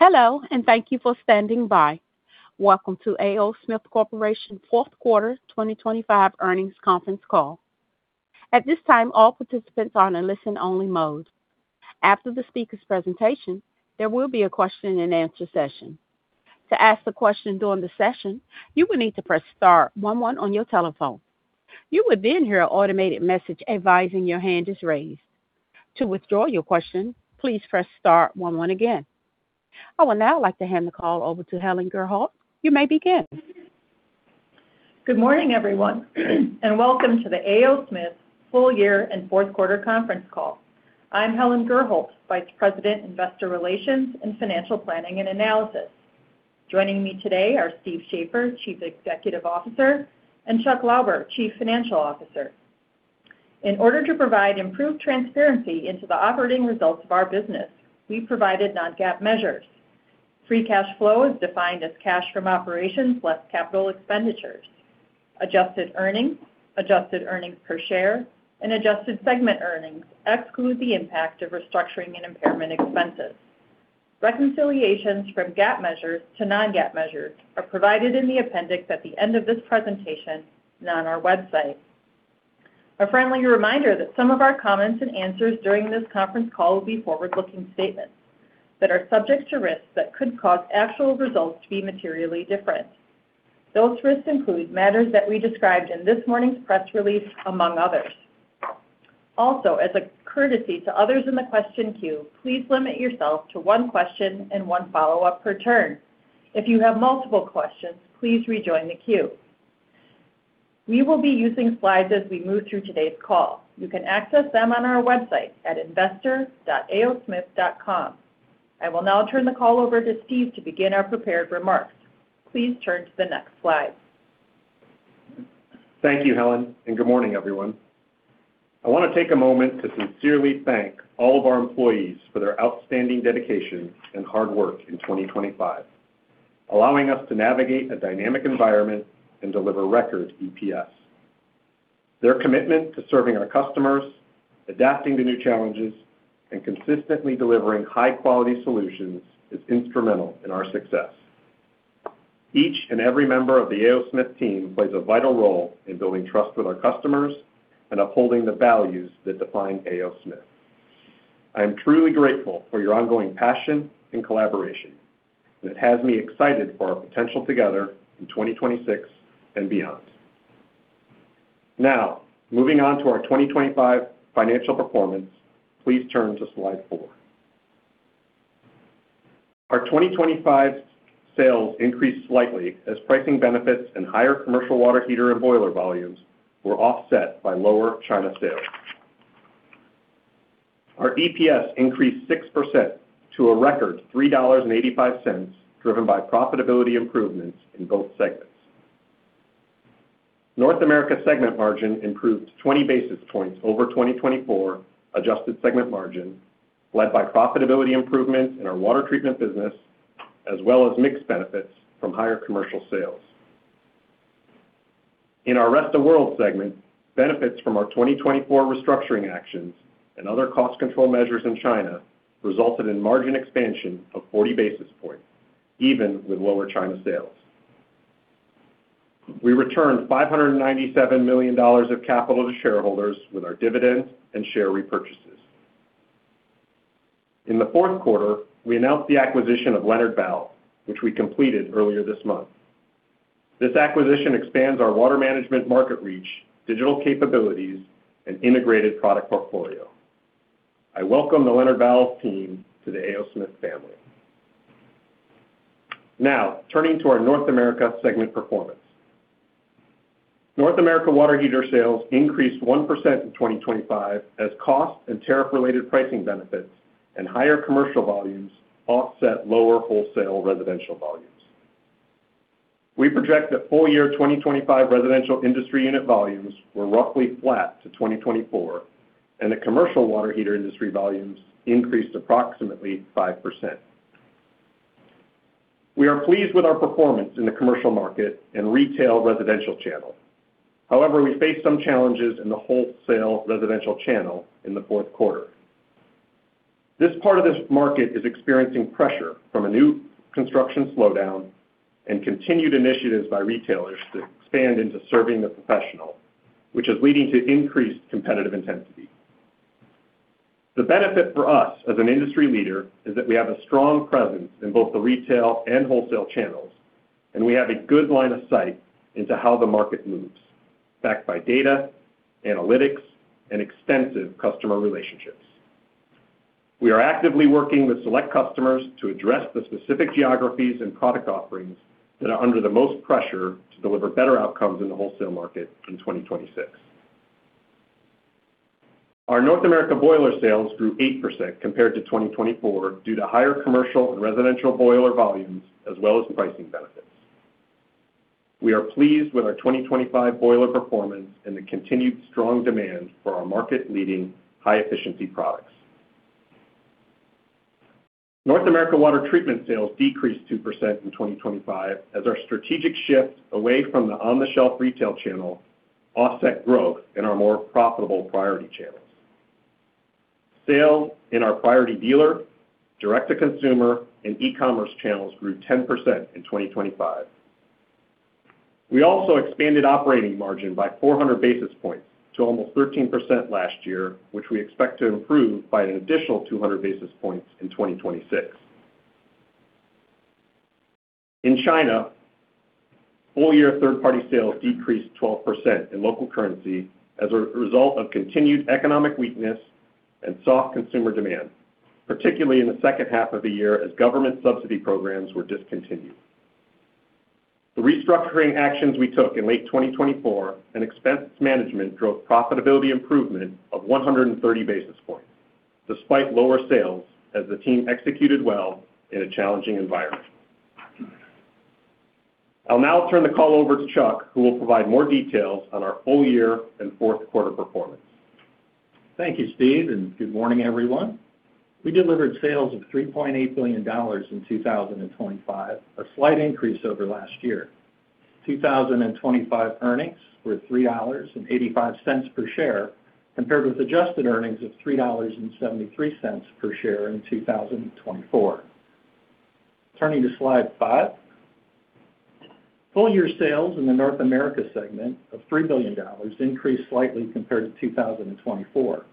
Hello, and thank you for standing by. Welcome to A. O. Smith Corporation fourth quarter 2025 earnings conference call. At this time, all participants are in a listen-only mode. After the speaker's presentation, there will be a question-and-answer session. To ask a question during the session, you will need to press Star one one on your telephone. You will then hear an automated message advising your hand is raised. To withdraw your question, please press Star one one again. I would now like to hand the call over to Helen Gurholt. You may begin. Good morning, everyone, and welcome to the A. O. Smith full year and fourth quarter conference call. I'm Helen Gurholt, Vice President, Investor Relations and Financial Planning and Analysis. Joining me today are Steve Shafer, Chief Executive Officer, and Chuck Lauber, Chief Financial Officer. In order to provide improved transparency into the operating results of our business, we provided non-GAAP measures. Free cash flow is defined as cash from operations less capital expenditures. Adjusted earnings, adjusted earnings per share, and adjusted segment earnings exclude the impact of restructuring and impairment expenses. Reconciliations from GAAP measures to non-GAAP measures are provided in the appendix at the end of this presentation and on our website. A friendly reminder that some of our comments and answers during this conference call will be forward-looking statements that are subject to risks that could cause actual results to be materially different. Those risks include matters that we described in this morning's press release, among others. Also, as a courtesy to others in the question queue, please limit yourself to one question and one follow-up per turn. If you have multiple questions, please rejoin the queue. We will be using slides as we move through today's call. You can access them on our website at investor.aosmith.com. I will now turn the call over to Steve to begin our prepared remarks. Please turn to the next slide. Thank you, Helen, and good morning, everyone. I want to take a moment to sincerely thank all of our employees for their outstanding dedication and hard work in 2025, allowing us to navigate a dynamic environment and deliver record EPS. Their commitment to serving our customers, adapting to new challenges, and consistently delivering high-quality solutions is instrumental in our success. Each and every member of the A. O. Smith team plays a vital role in building trust with our customers and upholding the values that define A. O. Smith. I am truly grateful for your ongoing passion and collaboration, and it has me excited for our potential together in 2026 and beyond. Now, moving on to our 2025 financial performance, please turn to slide four. Our 2025 sales increased slightly as pricing benefits and higher commercial water heater and boiler volumes were offset by lower China sales. Our EPS increased 6% to a record $3.85, driven by profitability improvements in both segments. North America segment margin improved 20 basis points over 2024 adjusted segment margin, led by profitability improvements in our water treatment business, as well as mix benefits from higher commercial sales. In our Rest of World segment, benefits from our 2024 restructuring actions and other cost control measures in China resulted in margin expansion of 40 basis points, even with lower China sales. We returned $597 million of capital to shareholders with our dividend and share repurchases. In the fourth quarter, we announced the acquisition of Leonard Valve, which we completed earlier this month. This acquisition expands our water management market reach, digital capabilities, and integrated product portfolio. I welcome the Leonard Valve team to the A. O. Smith family. Now, turning to our North America segment performance. North America water heater sales increased 1% in 2025 as cost and tariff-related pricing benefits and higher commercial volumes offset lower wholesale residential volumes. We project that full year 2025 residential industry unit volumes were roughly flat to 2024, and the commercial water heater industry volumes increased approximately 5%. We are pleased with our performance in the commercial market and retail residential channel. However, we faced some challenges in the wholesale residential channel in the fourth quarter. This part of the market is experiencing pressure from a new construction slowdown and continued initiatives by retailers to expand into serving the professional, which is leading to increased competitive intensity. The benefit for us as an industry leader is that we have a strong presence in both the retail and wholesale channels, and we have a good line of sight into how the market moves, backed by data, analytics, and extensive customer relationships. We are actively working with select customers to address the specific geographies and product offerings that are under the most pressure to deliver better outcomes in the wholesale market in 2026. Our North America boiler sales grew 8% compared to 2024 due to higher commercial and residential boiler volumes, as well as pricing benefits. We are pleased with our 2025 boiler performance and the continued strong demand for our market-leading high-efficiency products. North America water treatment sales decreased 2% in 2025 as our strategic shift away from the on-the-shelf retail channel offset growth in our more profitable priority channels. Sales in our priority dealer, direct-to-consumer, and e-commerce channels grew 10% in 2025. We also expanded operating margin by 400 basis points to almost 13% last year, which we expect to improve by an additional 200 basis points in 2026. In China, full year third-party sales decreased 12% in local currency as a result of continued economic weakness and soft consumer demand, particularly in the second half of the year as government subsidy programs were discontinued. The restructuring actions we took in late 2024 and expense management drove profitability improvement of 130 basis points, despite lower sales as the team executed well in a challenging environment. I'll now turn the call over to Chuck, who will provide more details on our full year and fourth quarter performance. Thank you, Steve, and good morning, everyone. We delivered sales of $3.8 billion in 2025, a slight increase over last year. 2025 earnings were $3.85 per share compared with adjusted earnings of $3.73 per share in 2024. Turning to slide five, full year sales in the North America segment of $3 billion increased slightly compared to 2024.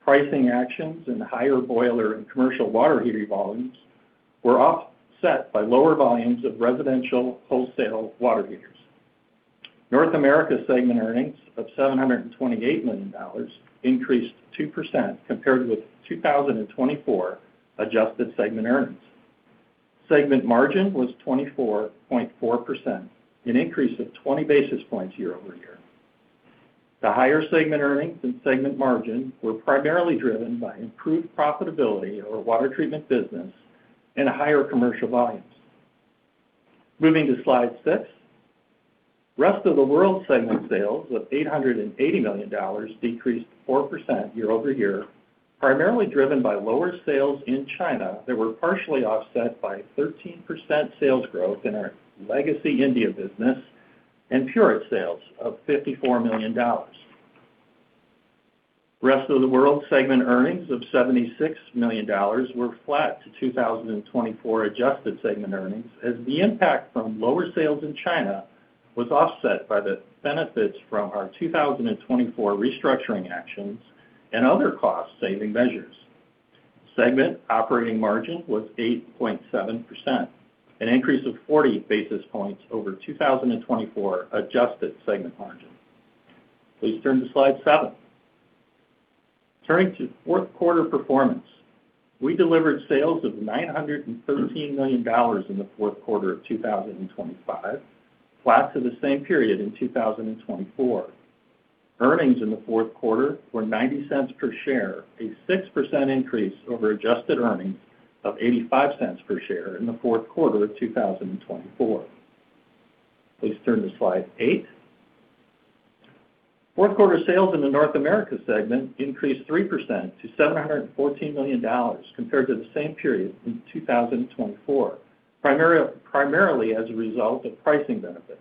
Pricing actions and higher boiler and commercial water heater volumes were offset by lower volumes of residential wholesale water heaters. North America segment earnings of $728 million increased 2% compared with 2024 adjusted segment earnings. Segment margin was 24.4%, an increase of 20 basis points year-over-year. The higher segment earnings and segment margin were primarily driven by improved profitability of our water treatment business and higher commercial volumes. Moving to slide six, Rest of the World segment sales of $880 million decreased 4% year-over-year, primarily driven by lower sales in China that were partially offset by 13% sales growth in our legacy India business and Pureit sales of $54 million. Rest of the World segment earnings of $76 million were flat to 2024 adjusted segment earnings as the impact from lower sales in China was offset by the benefits from our 2024 restructuring actions and other cost-saving measures. Segment operating margin was 8.7%, an increase of 40 basis points over 2024 adjusted segment margin. Please turn to slide seven. Turning to fourth quarter performance, we delivered sales of $913 million in the fourth quarter of 2025, flat to the same period in 2024. Earnings in the fourth quarter were $0.90 per share, a 6% increase over adjusted earnings of $0.85 per share in the fourth quarter of 2024. Please turn to slide eight. Fourth quarter sales in the North America segment increased 3% to $714 million compared to the same period in 2024, primarily as a result of pricing benefits.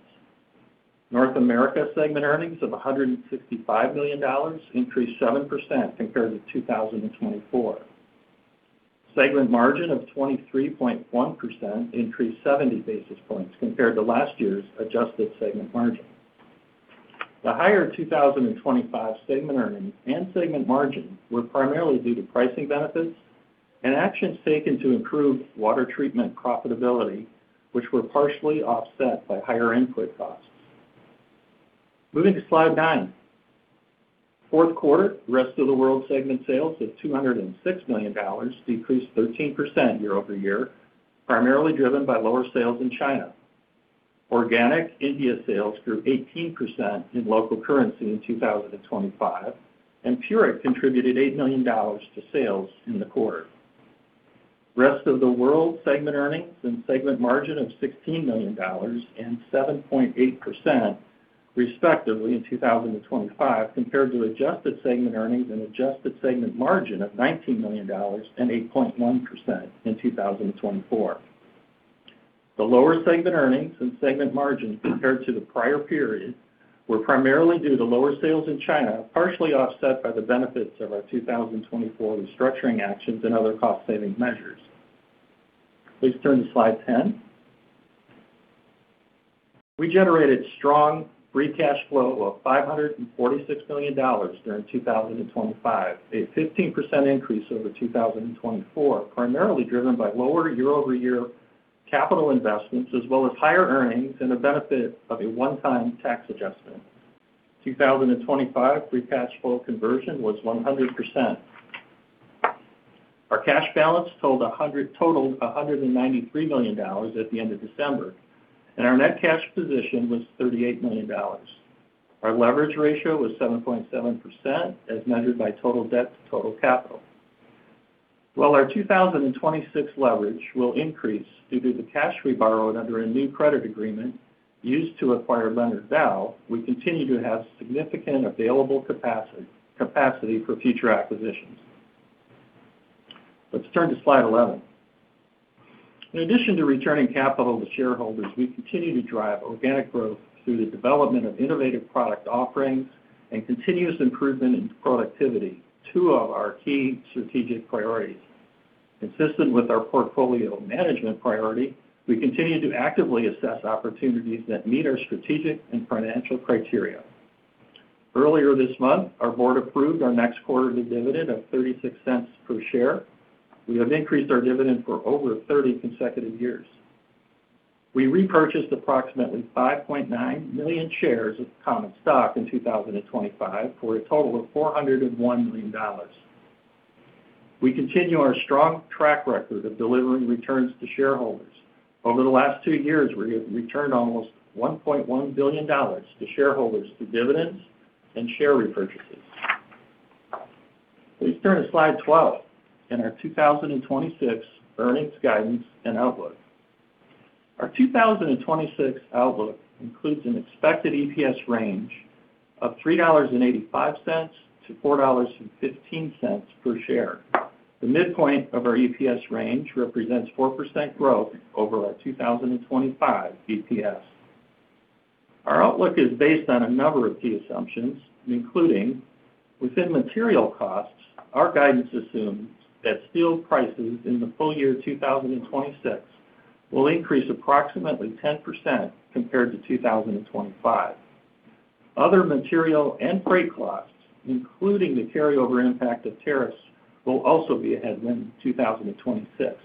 North America segment earnings of $165 million increased 7% compared to 2024. Segment margin of 23.1% increased 70 basis points compared to last year's adjusted segment margin. The higher 2025 segment earnings and segment margin were primarily due to pricing benefits and actions taken to improve water treatment profitability, which were partially offset by higher input costs. Moving to slide nine, fourth quarter, Rest of the World segment sales of $206 million decreased 13% year-over-year, primarily driven by lower sales in China. Organic India sales grew 18% in local currency in 2025, and Pureit contributed $8 million to sales in the quarter. Rest of the World segment earnings and segment margin of $16 million and 7.8% respectively in 2025 compared to adjusted segment earnings and adjusted segment margin of $19 million and 8.1% in 2024. The lower segment earnings and segment margin compared to the prior period were primarily due to lower sales in China, partially offset by the benefits of our 2024 restructuring actions and other cost-saving measures. Please turn to slide 10. We generated strong free cash flow of $546 million during 2025, a 15% increase over 2024, primarily driven by lower year-over-year capital investments, as well as higher earnings and a benefit of a one-time tax adjustment. 2025 free cash flow conversion was 100%. Our cash balance totaled $193 million at the end of December, and our net cash position was $38 million. Our leverage ratio was 7.7% as measured by total debt to total capital. While our 2026 leverage will increase due to the cash we borrowed under a new credit agreement used to acquire Leonard Valve, we continue to have significant available capacity for future acquisitions. Let's turn to slide 11. In addition to returning capital to shareholders, we continue to drive organic growth through the development of innovative product offerings and continuous improvement in productivity, two of our key strategic priorities. Consistent with our portfolio management priority, we continue to actively assess opportunities that meet our strategic and financial criteria. Earlier this month, our board approved our next quarterly dividend of $0.36 per share. We have increased our dividend for over 30 consecutive years. We repurchased approximately 5.9 million shares of common stock in 2025 for a total of $401 million. We continue our strong track record of delivering returns to shareholders. Over the last two years, we have returned almost $1.1 billion to shareholders through dividends and share repurchases. Please turn to slide 12 in our 2026 earnings guidance and outlook. Our 2026 outlook includes an expected EPS range of $3.85-$4.15 per share. The midpoint of our EPS range represents 4% growth over our 2025 EPS. Our outlook is based on a number of key assumptions, including within material costs. Our guidance assumes that steel prices in the full year 2026 will increase approximately 10% compared to 2025. Other material and freight costs, including the carryover impact of tariffs, will also be ahead in 2026.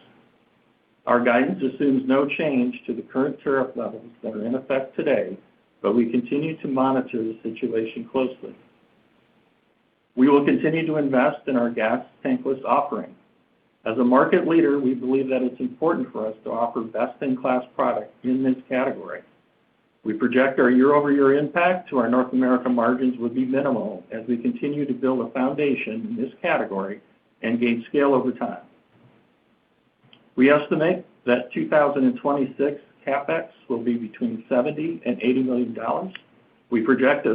Our guidance assumes no change to the current tariff levels that are in effect today, but we continue to monitor the situation closely. We will continue to invest in our gas tankless offering. As a market leader, we believe that it's important for us to offer best-in-class product in this category. We project our year-over-year impact to our North America margins would be minimal as we continue to build a foundation in this category and gain scale over time. We estimate that 2026 CapEx will be between $70 million-$80 million. We project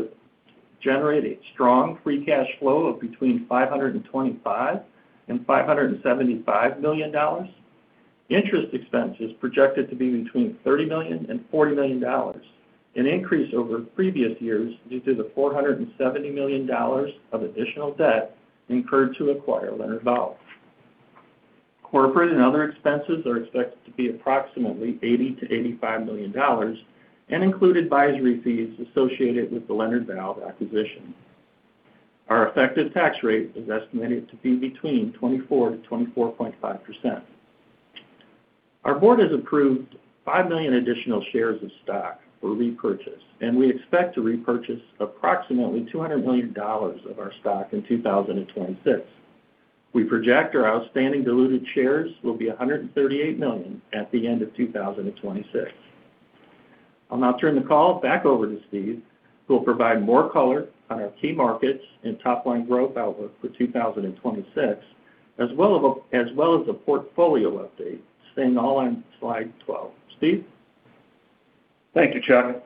to generate a strong free cash flow of between $525 million and $575 million. Interest expense is projected to be between $30 million and $40 million, an increase over previous years due to the $470 million of additional debt incurred to acquire Leonard Valve. Corporate and other expenses are expected to be approximately $80 million-$85 million and include advisory fees associated with the Leonard Valve acquisition. Our effective tax rate is estimated to be between 24%-24.5%. Our board has approved 5 million additional shares of stock for repurchase, and we expect to repurchase approximately $200 million of our stock in 2026. We project our outstanding diluted shares will be 138 million at the end of 2026. I'll now turn the call back over to Steve, who will provide more color on our key markets and top-line growth outlook for 2026, as well as a portfolio update. Staying on slide 12. Steve. Thank you, Chuck.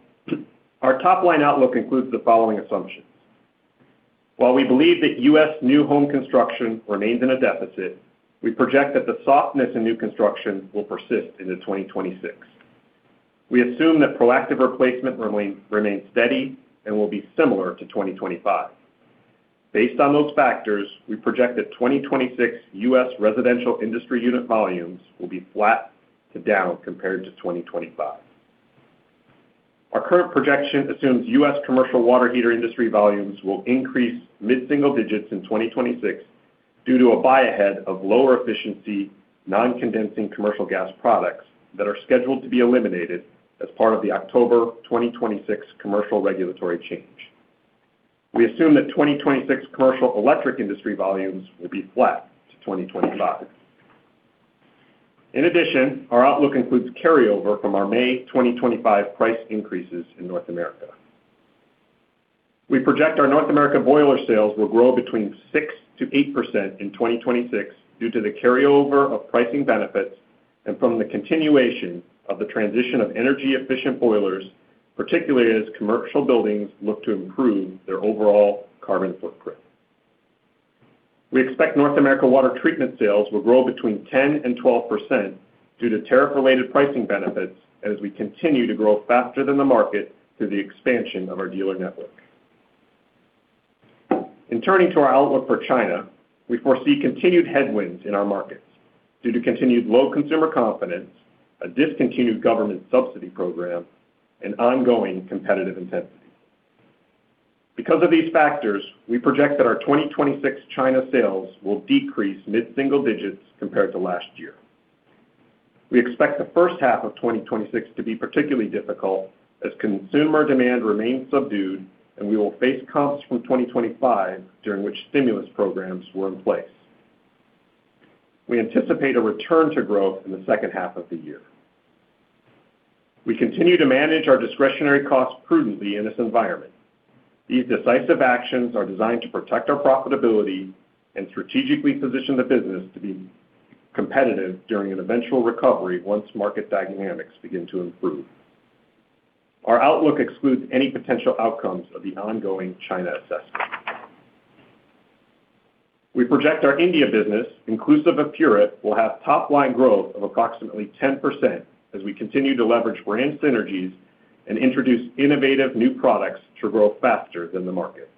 Our top-line outlook includes the following assumptions. While we believe that U.S. new home construction remains in a deficit, we project that the softness in new construction will persist into 2026. We assume that proactive replacement remains steady and will be similar to 2025. Based on those factors, we project that 2026 U.S. residential industry unit volumes will be flat to down compared to 2025. Our current projection assumes U.S. commercial water heater industry volumes will increase mid-single digits in 2026 due to a buy-ahead of lower-efficiency non-condensing commercial gas products that are scheduled to be eliminated as part of the October 2026 commercial regulatory change. We assume that 2026 commercial electric industry volumes will be flat to 2025. In addition, our outlook includes carryover from our May 2025 price increases in North America. We project our North America boiler sales will grow 6%-8% in 2026 due to the carryover of pricing benefits and from the continuation of the transition of energy-efficient boilers, particularly as commercial buildings look to improve their overall carbon footprint. We expect North America water treatment sales will grow 10%-12% due to tariff-related pricing benefits as we continue to grow faster than the market through the expansion of our dealer network. In turning to our outlook for China, we foresee continued headwinds in our markets due to continued low consumer confidence, a discontinued government subsidy program, and ongoing competitive intensity. Because of these factors, we project that our 2026 China sales will decrease mid-single digits compared to last year. We expect the first half of 2026 to be particularly difficult as consumer demand remains subdued, and we will face comps from 2025 during which stimulus programs were in place. We anticipate a return to growth in the second half of the year. We continue to manage our discretionary costs prudently in this environment. These decisive actions are designed to protect our profitability and strategically position the business to be competitive during an eventual recovery once market dynamics begin to improve. Our outlook excludes any potential outcomes of the ongoing China assessment. We project our India business, inclusive of Pureit, will have top-line growth of approximately 10% as we continue to leverage brand synergies and introduce innovative new products to grow faster than the market.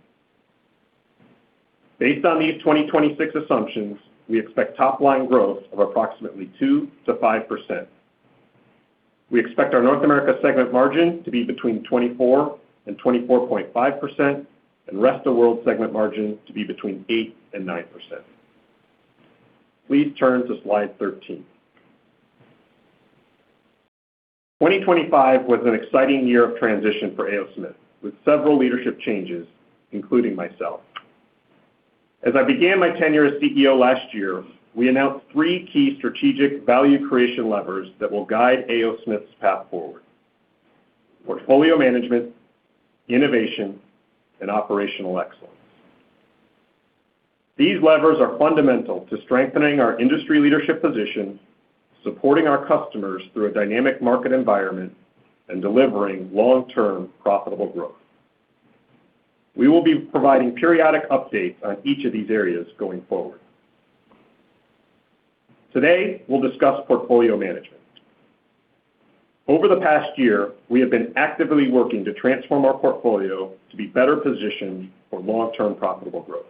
Based on these 2026 assumptions, we expect top-line growth of approximately 2%-5%. We expect our North America segment margin to be between 24% and 24.5% and Rest of World segment margin to be between 8% and 9%. Please turn to slide 13. 2025 was an exciting year of transition for A. O. Smith, with several leadership changes, including myself. As I began my tenure as CEO last year, we announced three key strategic value creation levers that will guide A. O. Smith's path forward: portfolio management, innovation, and operational excellence. These levers are fundamental to strengthening our industry leadership position, supporting our customers through a dynamic market environment, and delivering long-term profitable growth. We will be providing periodic updates on each of these areas going forward. Today, we'll discuss portfolio management. Over the past year, we have been actively working to transform our portfolio to be better positioned for long-term profitable growth.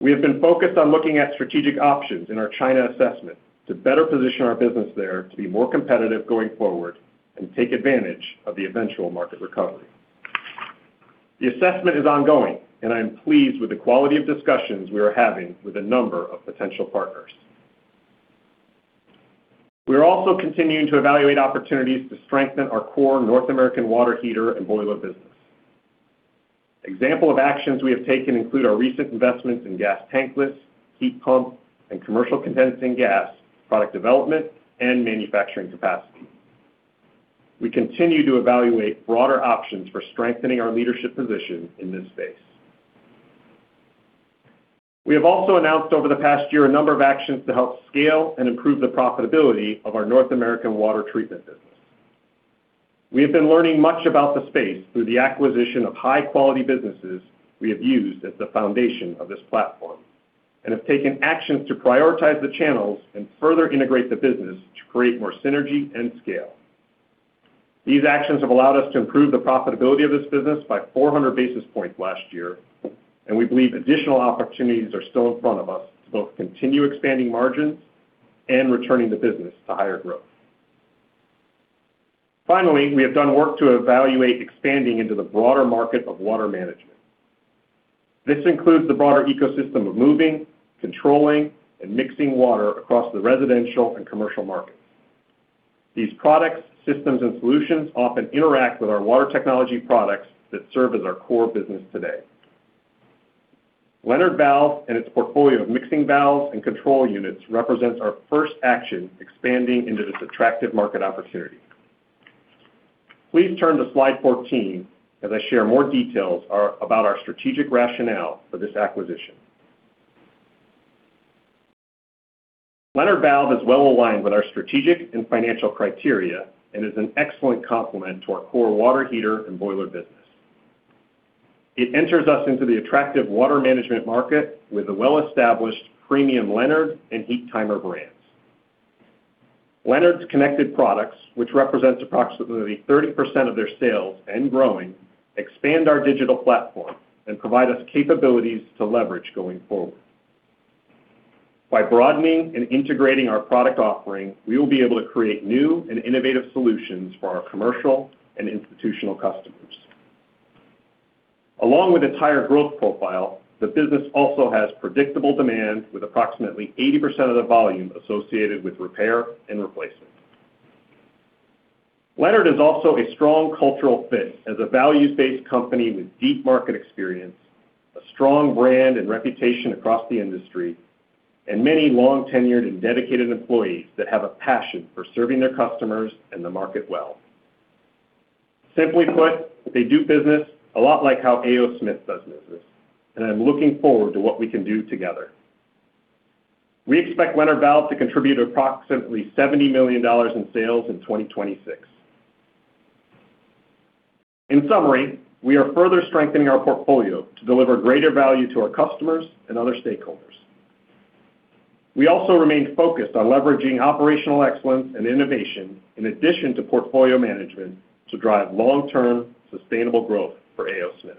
We have been focused on looking at strategic options in our China assessment to better position our business there to be more competitive going forward and take advantage of the eventual market recovery. The assessment is ongoing, and I am pleased with the quality of discussions we are having with a number of potential partners. We are also continuing to evaluate opportunities to strengthen our core North American water heater and boiler business. Examples of actions we have taken include our recent investments in gas tankless, heat pump, and commercial condensing gas product development and manufacturing capacity. We continue to evaluate broader options for strengthening our leadership position in this space. We have also announced over the past year a number of actions to help scale and improve the profitability of our North American water treatment business. We have been learning much about the space through the acquisition of high-quality businesses we have used as the foundation of this platform and have taken actions to prioritize the channels and further integrate the business to create more synergy and scale. These actions have allowed us to improve the profitability of this business by 400 basis points last year, and we believe additional opportunities are still in front of us to both continue expanding margins and returning the business to higher growth. Finally, we have done work to evaluate expanding into the broader market of water management. This includes the broader ecosystem of moving, controlling, and mixing water across the residential and commercial markets. These products, systems, and solutions often interact with our water technology products that serve as our core business today. Leonard Valve and its portfolio of mixing valves and control units represents our first action expanding into this attractive market opportunity. Please turn to slide 14 as I share more details about our strategic rationale for this acquisition. Leonard Valve is well aligned with our strategic and financial criteria and is an excellent complement to our core water heater and boiler business. It enters us into the attractive water management market with the well-established premium Leonard and Heat-Timer brands. Leonard's connected products, which represents approximately 30% of their sales and growing, expand our digital platform and provide us capabilities to leverage going forward. By broadening and integrating our product offering, we will be able to create new and innovative solutions for our commercial and institutional customers. Along with its higher growth profile, the business also has predictable demand with approximately 80% of the volume associated with repair and replacement. Leonard Valve is also a strong cultural fit as a values-based company with deep market experience, a strong brand and reputation across the industry, and many long-tenured and dedicated employees that have a passion for serving their customers and the market well. Simply put, they do business a lot like how A. O. Smith does business, and I'm looking forward to what we can do together. We expect Leonard Valve to contribute approximately $70 million in sales in 2026. In summary, we are further strengthening our portfolio to deliver greater value to our customers and other stakeholders. We also remain focused on leveraging operational excellence and innovation in addition to portfolio management to drive long-term sustainable growth for A. O. Smith.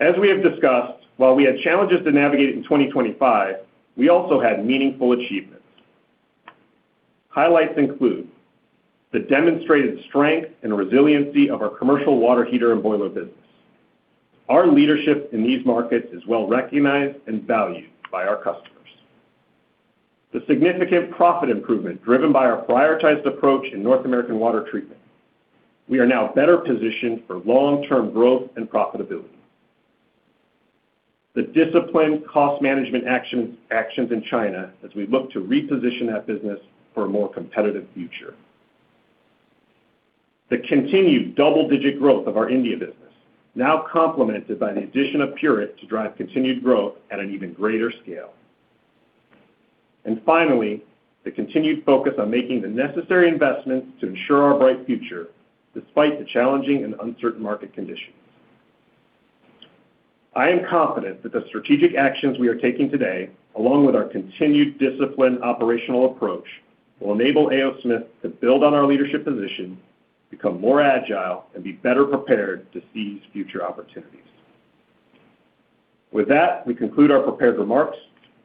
As we have discussed, while we had challenges to navigate in 2025, we also had meaningful achievements. Highlights include the demonstrated strength and resiliency of our commercial water heater and boiler business. Our leadership in these markets is well recognized and valued by our customers. The significant profit improvement driven by our prioritized approach in North American water treatment. We are now better positioned for long-term growth and profitability. The disciplined cost management actions in China as we look to reposition that business for a more competitive future. The continued double-digit growth of our India business, now complemented by the addition of Pureit to drive continued growth at an even greater scale. And finally, the continued focus on making the necessary investments to ensure our bright future despite the challenging and uncertain market conditions. I am confident that the strategic actions we are taking today, along with our continued disciplined operational approach, will enable A. O. Smith. to build on our leadership position, become more agile, and be better prepared to seize future opportunities. With that, we conclude our prepared remarks,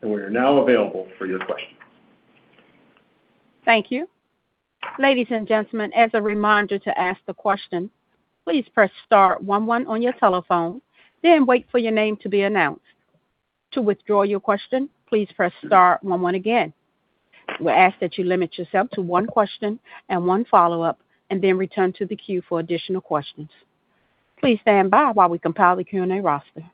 and we are now available for your questions. Thank you. Ladies and gentlemen, as a reminder to ask the question, please press Star one one on your telephone, then wait for your name to be announced. To withdraw your question, please press Star one one again. We're asked that you limit yourself to one question and one follow-up, and then return to the queue for additional questions. Please stand by while we compile the Q&A roster.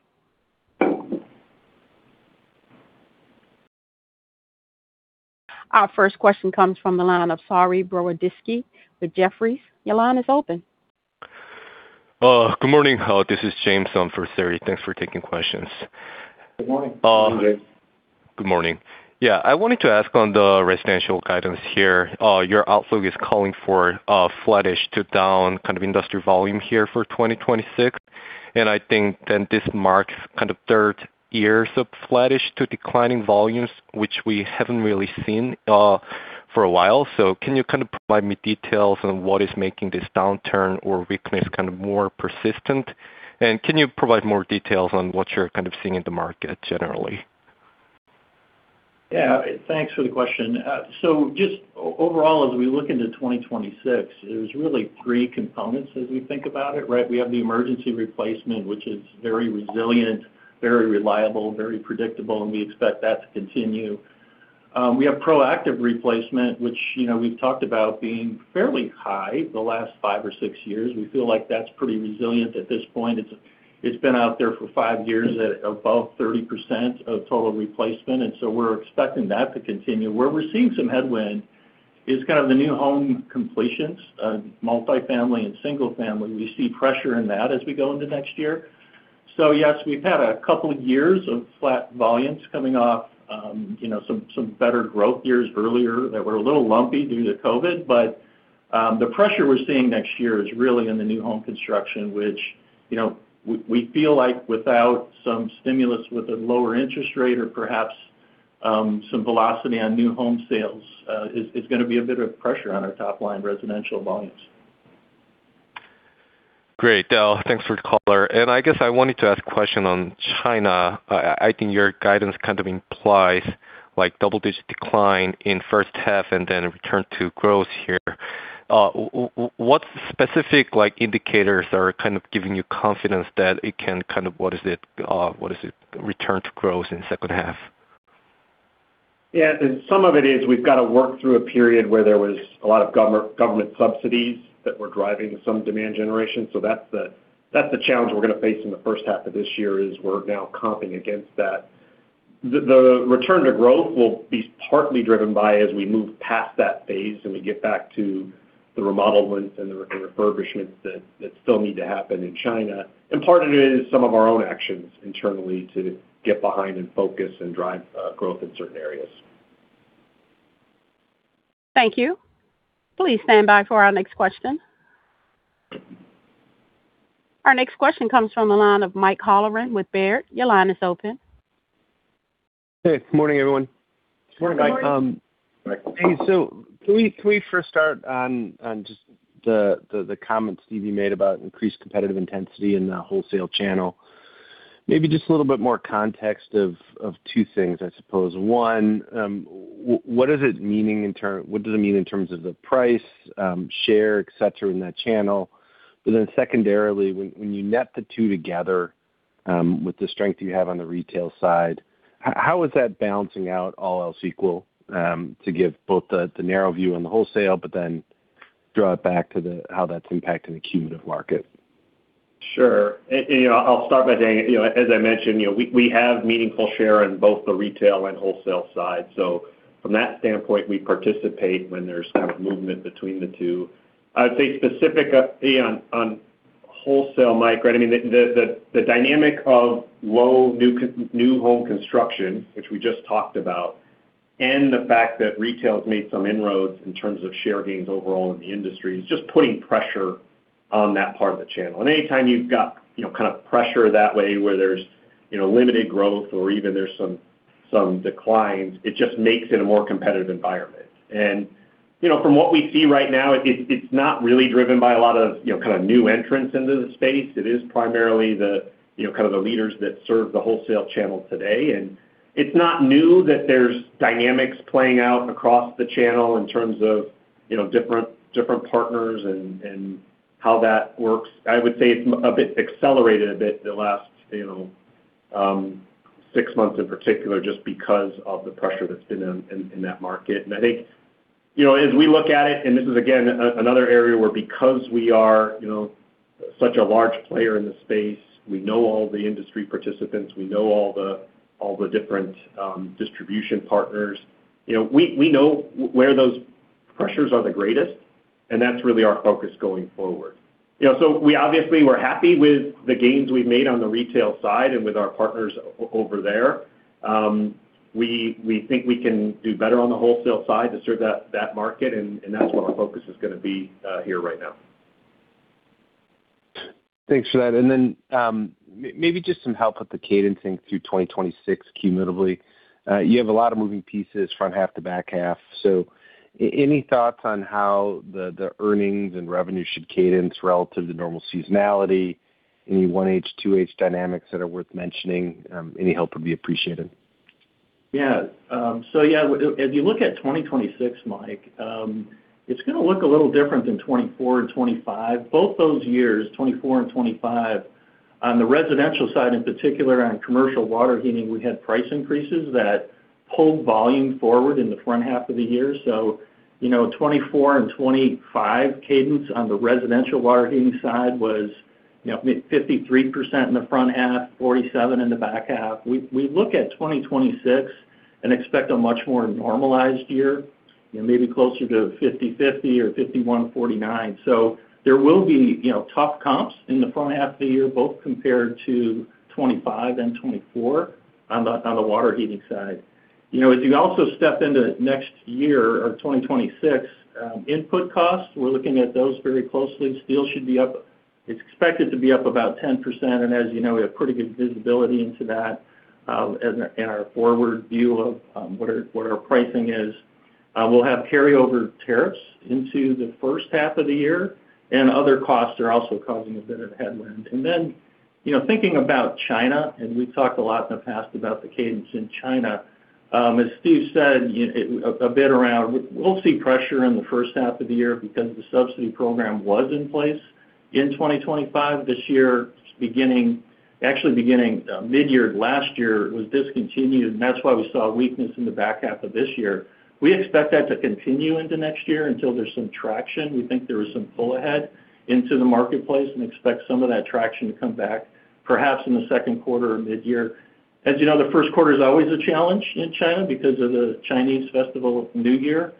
Our first question comes from the line of Saree Boroditsky with Jefferies. Your line is open. Good morning. This is James from Jefferies. Thanks for taking questions. Good morning. Good morning. Good morning. Yeah. I wanted to ask on the residential guidance here. Your outlook is calling for flattish to down kind of industry volume here for 2026. And I think that this marks kind of third years of flattish to declining volumes, which we haven't really seen for a while. So can you kind of provide me details on what is making this downturn or weakness kind of more persistent? And can you provide more details on what you're kind of seeing in the market generally? Yeah. Thanks for the question. So just overall, as we look into 2026, there's really three components as we think about it, right? We have the emergency replacement, which is very resilient, very reliable, very predictable, and we expect that to continue. We have proactive replacement, which we've talked about being fairly high the last five or six years. We feel like that's pretty resilient at this point. It's been out there for five years at above 30% of total replacement, and so we're expecting that to continue. Where we're seeing some headwind is kind of the new home completions, multifamily and single-family. We see pressure in that as we go into next year. So yes, we've had a couple of years of flat volumes coming off some better growth years earlier that were a little lumpy due to COVID, but the pressure we're seeing next year is really in the new home construction, which we feel like without some stimulus with a lower interest rate or perhaps some velocity on new home sales is going to be a bit of pressure on our top-line residential volumes. Great. Thanks for the caller. I guess I wanted to ask a question on China. I think your guidance kind of implies double-digit decline in first half and then return to growth here. What specific indicators are kind of giving you confidence that it can kind of, what is it, return to growth in second half? Yeah. Some of it is, we've got to work through a period where there was a lot of government subsidies that were driving some demand generation. So that's the challenge we're going to face in the first half of this year as we're now comping against that. The return to growth will be partly driven by, as we move past that phase and we get back to the remodel and refurbishments that still need to happen in China. And part of it is some of our own actions internally to get behind and focus and drive growth in certain areas. Thank you. Please stand by for our next question. Our next question comes from the line of Mike Halloran with Baird. Your line is open. Hey. Good morning, everyone. Good morning, Mike. Hey. So can we first start on just the comments Steve made about increased competitive intensity in the wholesale channel? Maybe just a little bit more context of two things, I suppose. One, what does it mean in terms of what does it mean in terms of the price, share, etc., in that channel? But then secondarily, when you net the two together with the strength you have on the retail side, how is that balancing out all else equal to give both the narrow view on the wholesale, but then draw it back to how that's impacting the cumulative market? Sure. I'll start by saying, as I mentioned, we have meaningful share in both the retail and wholesale side. So from that standpoint, we participate when there's kind of movement between the two. I would say specifically on wholesale, Mike, right? I mean, the dynamic of low new home construction, which we just talked about, and the fact that retail has made some inroads in terms of share gains overall in the industry is just putting pressure on that part of the channel. And anytime you've got kind of pressure that way where there's limited growth or even there's some declines, it just makes it a more competitive environment. And from what we see right now, it's not really driven by a lot of kind of new entrants into the space. It is primarily kind of the leaders that serve the wholesale channel today. It's not new that there's dynamics playing out across the channel in terms of different partners and how that works. I would say it's a bit accelerated a bit the last six months in particular just because of the pressure that's been in that market. I think as we look at it, and this is, again, another area where because we are such a large player in the space, we know all the industry participants, we know all the different distribution partners, we know where those pressures are the greatest, and that's really our focus going forward. Obviously, we're happy with the gains we've made on the retail side and with our partners over there. We think we can do better on the wholesale side to serve that market, and that's what our focus is going to be here right now. Thanks for that. And then maybe just some help with the cadencing through 2026 cumulatively. You have a lot of moving pieces, front half to back half. So any thoughts on how the earnings and revenue should cadence relative to normal seasonality? Any H1, H2 dynamics that are worth mentioning? Any help would be appreciated. Yeah. So yeah, as you look at 2026, Mike, it's going to look a little different than 2024 and 2025. Both those years, 2024 and 2025, on the residential side in particular, on commercial water heating, we had price increases that pulled volume forward in the front half of the year. So 2024 and 2025 cadence on the residential water heating side was 53% in the front half, 47% in the back half. We look at 2026 and expect a much more normalized year, maybe closer to 50/50 or 51/49. So there will be tough comps in the front half of the year, both compared to 2025 and 2024 on the water heating side. As you also step into next year, or 2026, input costs, we're looking at those very closely. Steel should be up. It's expected to be up about 10%. And as you know, we have pretty good visibility into that in our forward view of what our pricing is. We'll have carryover tariffs into the first half of the year, and other costs are also causing a bit of headwind. And then thinking about China, and we've talked a lot in the past about the cadence in China. As Steve said, a bit around, we'll see pressure in the first half of the year because the subsidy program was in place in 2025. This year, actually beginning mid-year last year, was discontinued, and that's why we saw weakness in the back half of this year. We expect that to continue into next year until there's some traction. We think there was some pull ahead into the marketplace and expect some of that traction to come back, perhaps in the second quarter or mid-year. As you know, the first quarter is always a challenge in China because of the Chinese New Year.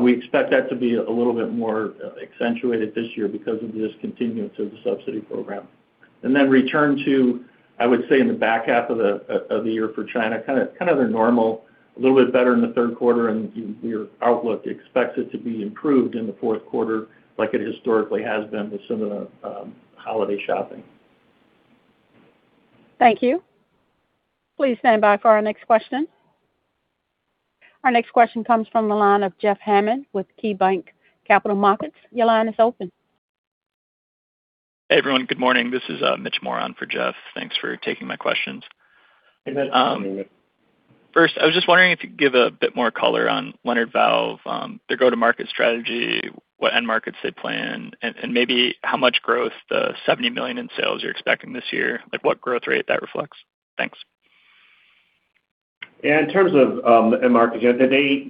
We expect that to be a little bit more accentuated this year because of the discontinuance of the subsidy program. And then return to, I would say, in the back half of the year for China, kind of their normal, a little bit better in the third quarter, and your outlook expects it to be improved in the fourth quarter, like it historically has been with some of the holiday shopping. Thank you. Please stand by for our next question. Our next question comes from the line of Jeff Hammond with KeyBank Capital Markets. Your line is open. Hey, everyone. Good morning. This is Mitch Moran for Jeff. Thanks for taking my questions. Hey, Mitch. First, I was just wondering if you could give a bit more color on Leonard Valve, their go-to-market strategy, what end markets they plan, and maybe how much growth, the $70 million in sales you're expecting this year, what growth rate that reflects. Thanks. Yeah. In terms of end markets,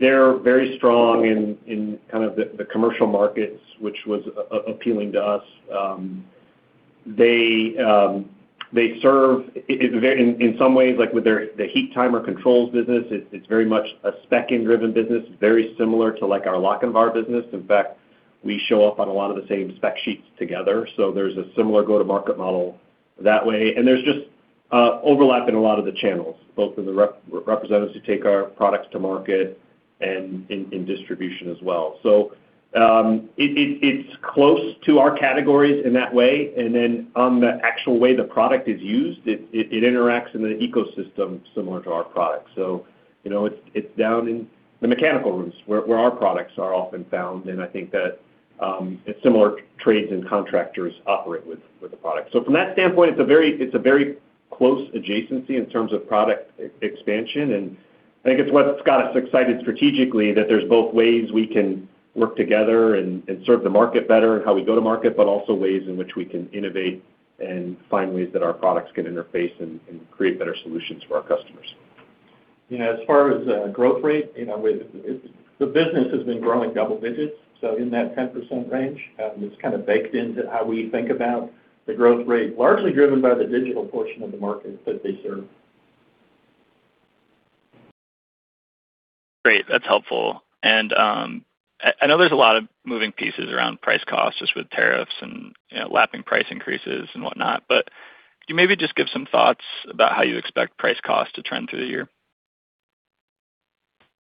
they're very strong in kind of the commercial markets, which was appealing to us. In some ways, with the Heat-Timer controls business, it's very much a spec-in-driven business, very similar to our Lochinvar business. In fact, we show up on a lot of the same spec sheets together. So there's a similar go-to-market model that way. And there's just overlap in a lot of the channels, both in the representatives who take our products to market and in distribution as well. So it's close to our categories in that way. And then on the actual way the product is used, it interacts in the ecosystem similar to our product. So it's down in the mechanical rooms where our products are often found. And I think that similar trades and contractors operate with the product. From that standpoint, it's a very close adjacency in terms of product expansion. I think it's what's got us excited strategically that there's both ways we can work together and serve the market better and how we go to market, but also ways in which we can innovate and find ways that our products can interface and create better solutions for our customers. As far as growth rate, the business has been growing double digits. In that 10% range, it's kind of baked into how we think about the growth rate, largely driven by the digital portion of the market that they serve. Great. That's helpful. And I know there's a lot of moving pieces around price costs just with tariffs and lapping price increases and whatnot, but can you maybe just give some thoughts about how you expect price costs to trend through the year?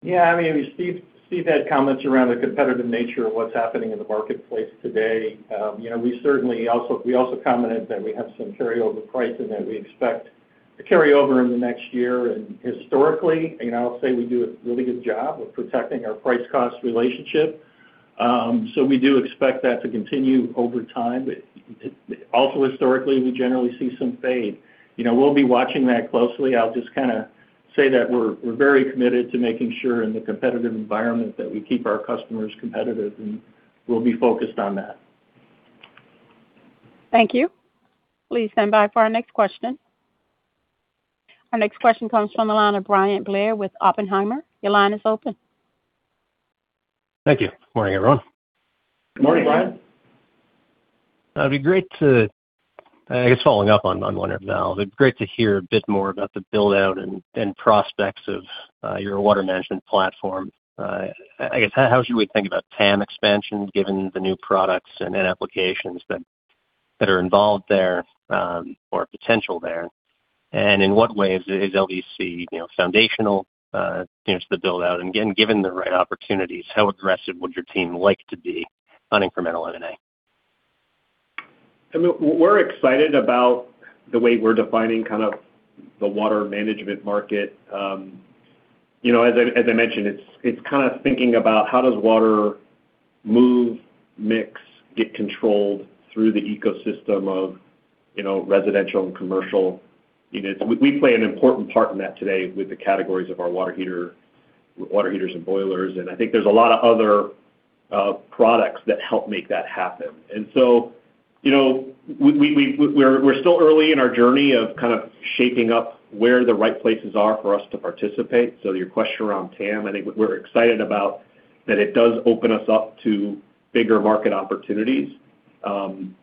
Yeah. I mean, Steve had comments around the competitive nature of what's happening in the marketplace today. We certainly also commented that we have some carryover pricing that we expect to carry over in the next year. And historically, I'll say we do a really good job of protecting our price-cost relationship. So we do expect that to continue over time. But also historically, we generally see some fade. We'll be watching that closely. I'll just kind of say that we're very committed to making sure in the competitive environment that we keep our customers competitive, and we'll be focused on that. Thank you. Please stand by for our next question. Our next question comes from the line of Bryan Blair with Oppenheimer. Your line is open. Thank you. Good morning, everyone. Good morning, Bryan. That'd be great too, I guess, following up on Leonard Valve. It'd be great to hear a bit more about the buildout and prospects of your water management platform. I guess, how should we think about TAM expansion given the new products and applications that are involved there or potential there? And in what ways is LVC foundational to the buildout? And again, given the right opportunities, how aggressive would your team like to be on incremental M&A? I mean, we're excited about the way we're defining kind of the water management market. As I mentioned, it's kind of thinking about how does water move, mix, get controlled through the ecosystem of residential and commercial units. We play an important part in that today with the categories of our water heaters and boilers. And I think there's a lot of other products that help make that happen. And so we're still early in our journey of kind of shaping up where the right places are for us to participate. So your question around TAM, I think we're excited about that it does open us up to bigger market opportunities.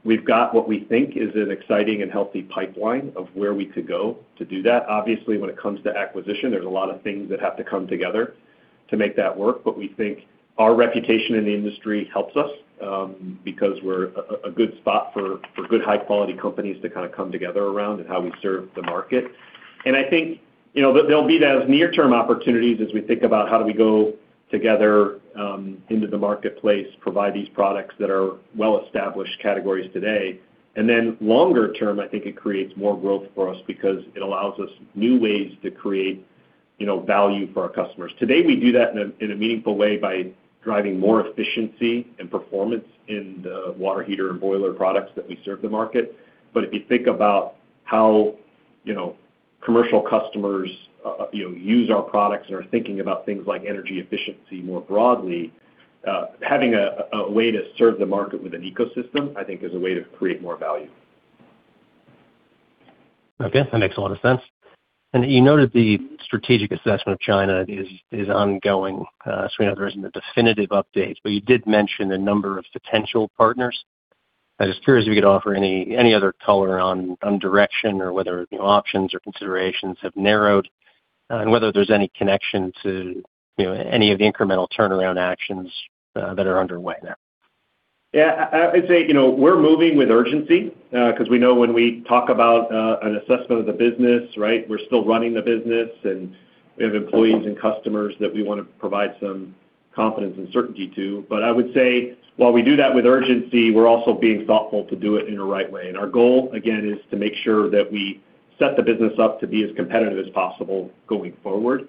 We've got what we think is an exciting and healthy pipeline of where we could go to do that. Obviously, when it comes to acquisition, there's a lot of things that have to come together to make that work. But we think our reputation in the industry helps us because we're a good spot for good high-quality companies to kind of come together around and how we serve the market. And I think there'll be as near-term opportunities as we think about how do we go together into the marketplace, provide these products that are well-established categories today. And then longer term, I think it creates more growth for us because it allows us new ways to create value for our customers. Today, we do that in a meaningful way by driving more efficiency and performance in the water heater and boiler products that we serve the market. But if you think about how commercial customers use our products and are thinking about things like energy efficiency more broadly, having a way to serve the market with an ecosystem, I think, is a way to create more value. Okay. That makes a lot of sense. And you noted the strategic assessment of China is ongoing. So we know there isn't a definitive update, but you did mention a number of potential partners. I was curious if you could offer any other color on direction or whether options or considerations have narrowed and whether there's any connection to any of the incremental turnaround actions that are underway now. Yeah. I'd say we're moving with urgency because we know when we talk about an assessment of the business, right, we're still running the business, and we have employees and customers that we want to provide some confidence and certainty to. But I would say while we do that with urgency, we're also being thoughtful to do it in a right way. Our goal, again, is to make sure that we set the business up to be as competitive as possible going forward.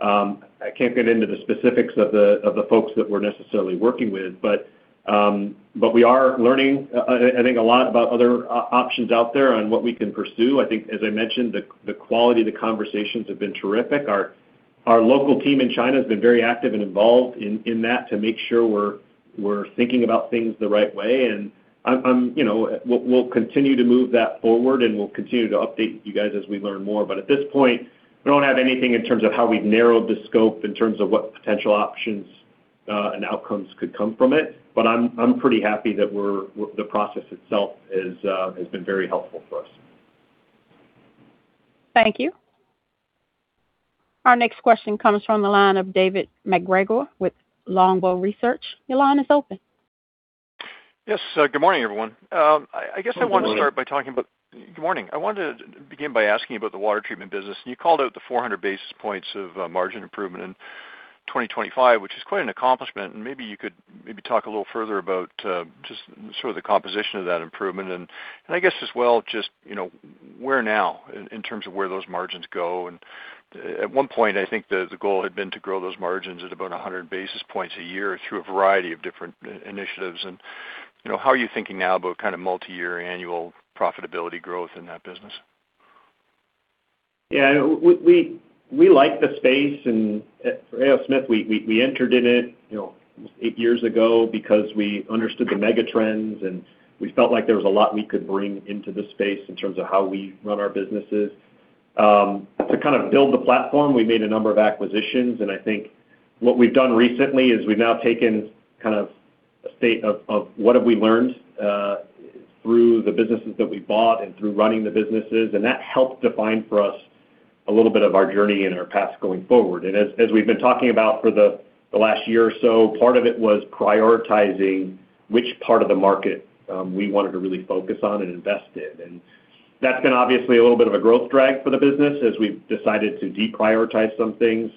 I can't get into the specifics of the folks that we're necessarily working with, but we are learning, I think, a lot about other options out there on what we can pursue. I think, as I mentioned, the quality of the conversations have been terrific. Our local team in China has been very active and involved in that to make sure we're thinking about things the right way. We'll continue to move that forward, and we'll continue to update you guys as we learn more. But at this point, we don't have anything in terms of how we've narrowed the scope in terms of what potential options and outcomes could come from it. But I'm pretty happy that the process itself has been very helpful for us. Thank you. Our next question comes from the line of David MacGregor with Longbow Research. Your line is open. Yes. Good morning, everyone. I guess I want to start by talking about. Good morning. Good morning. I wanted to begin by asking you about the water treatment business. You called out the 400 basis points of margin improvement in 2025, which is quite an accomplishment. Maybe you could maybe talk a little further about just sort of the composition of that improvement. I guess as well, just where now in terms of where those margins go? At one point, I think the goal had been to grow those margins at about 100 basis points a year through a variety of different initiatives. How are you thinking now about kind of multi-year annual profitability growth in that business? Yeah. We like the space. And for A. O. Smith, we entered in it almost eight years ago because we understood the mega trends, and we felt like there was a lot we could bring into the space in terms of how we run our businesses. To kind of build the platform, we made a number of acquisitions. And I think what we've done recently is we've now taken kind of a state of what have we learned through the businesses that we bought and through running the businesses. And that helped define for us a little bit of our journey and our path going forward. And as we've been talking about for the last year or so, part of it was prioritizing which part of the market we wanted to really focus on and invest in. That's been obviously a little bit of a growth drag for the business as we've decided to deprioritize some things.